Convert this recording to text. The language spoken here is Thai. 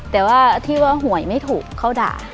แต่ว่าที่ว่าหวยไม่ถูกเขาด่า